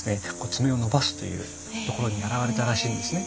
爪を伸ばすというところに表れたらしいんですね。